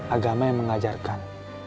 agama yang mengajarkan